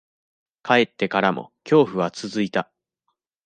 帰ってからも、恐怖は続いた。